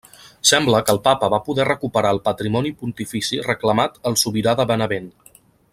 Sembla que el Papa va poder recuperar el patrimoni pontifici reclamat al sobirà de Benevent.